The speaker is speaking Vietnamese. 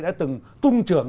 đã từng tung trưởng